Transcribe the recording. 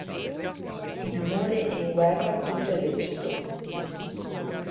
In amore e in guerra tutto è lecito.